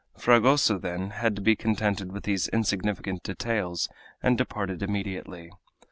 Fragoso, then, had to be contented with these insignificant details, and departed immediately.